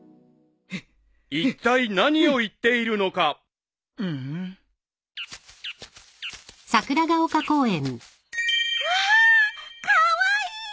［いったい何を言っているのか］わカワイイ。